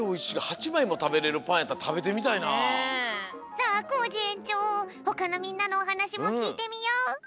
さあコージえんちょうほかのみんなのおはなしもきいてみよう。